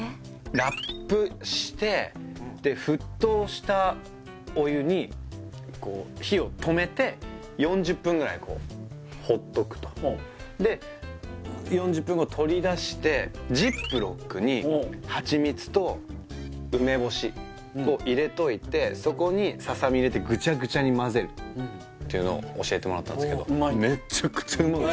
ラップしてで沸騰したお湯にこう火を止めて４０分ぐらいこうほっとくとで４０分後取り出してジップロックに蜂蜜と梅干しを入れといてそこにささみ入れてグチャグチャに混ぜるっていうのを教えてもらったんですけどうまいんだ？